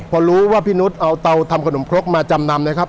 พอรู้ว่าพี่นุษย์เอาเตาทำขนมครกมาจำนำนะครับ